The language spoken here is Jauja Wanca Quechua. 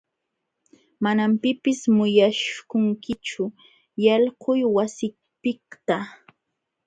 Manam pipis munaśhunkichu yalquy wasipiqta.